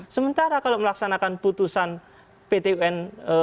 sementara kalau melaksanakan putusan pt un